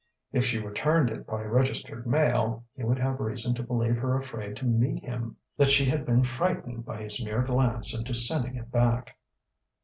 If she returned it by registered mail, he would have reason to believe her afraid to meet him that she had been frightened by his mere glance into sending it back.